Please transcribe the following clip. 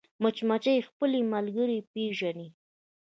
مچمچۍ خپلې ملګرې پېژني